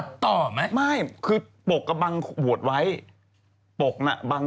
สีน้ำมุมต้องอยู่ในหัวขวดข้างล่าง